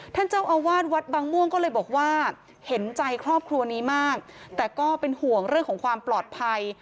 ท่านเจ้าอาวาสวัดบางม่วงก็เลยบอกว่าเห็นใจครอบครัวนี้มากแต่ก็เป็นห่วงเรื่องของความปลอดภัย